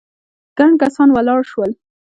ګڼ کسان ولاړ شول.